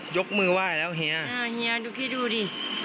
ยกมือไหว้แล้วเฮียเฮียดูคิดดูดิ